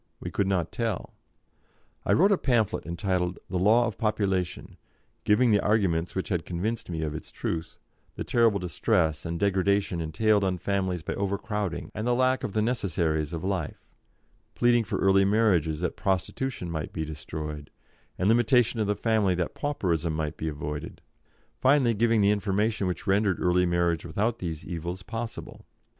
We could not tell. I wrote a pamphlet entitled "The Law of Population," giving the arguments which had convinced me of its truth, the terrible distress and degradation entailed on families by overcrowding and the lack of the necessaries of life, pleading for early marriages that prostitution might be destroyed, and limitation of the family that pauperism might be avoided; finally, giving the information which rendered early marriage without these evils possible.